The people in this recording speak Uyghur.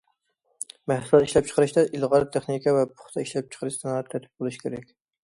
مەھسۇلات ئىشلەپچىقىرىشتا ئىلغار تېخنىكا ۋە پۇختا ئىشلەپچىقىرىش سانائەت تەرتىپى بولۇشى كېرەك.